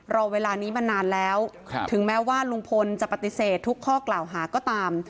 รอเวลานี้มานานแล้วถึงแม้ว่าลุงพลจะปฏิเสธทุกข้อกล่าวหาก็ตาม